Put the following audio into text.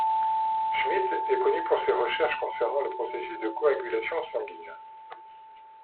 Schmidt est connu pour ses recherches concernant le processus de coagulation sanguine.